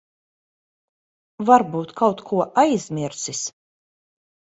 Varbūt kaut ko aizmirsis.